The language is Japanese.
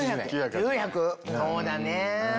そうだね。